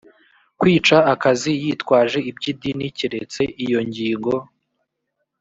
kwica akazi yitwaje iby idini keretse iyo ngingo